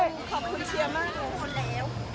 ขอบคุณเชียรมาก